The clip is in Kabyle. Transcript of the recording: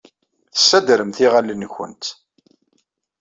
Tessadremt iɣallen-nwent.